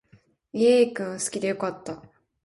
イェーイ君を好きで良かった